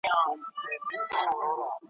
د انسان په وينه گډ دي فسادونه ,